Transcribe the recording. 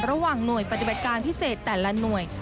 ระหว่างหน่วยปฏิบัติการพิเศษแต่ละหน่วย